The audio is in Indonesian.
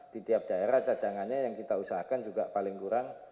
di tiap daerah cadangannya yang kita usahakan juga paling kurang